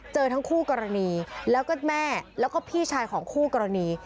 เจอทั้งคู่กรณีแล้วก็แม่แล้วก็พี่ชายของคู่กรณี